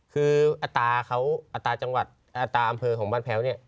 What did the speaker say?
คืออัตราเขาอัตราจังหวัดอัตราอำเภอของบ้านแพ้วเนี่ย